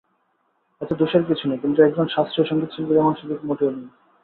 এতে দোষের কিছু নেই কিন্তু একজন শাস্ত্রীয় সংগীতশিল্পীর এমন সুযোগ মোটেই নেই।